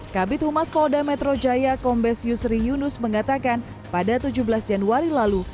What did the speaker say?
kabit humas polda metro jaya kombes yusri yunus mengatakan pada tujuh belas januari lalu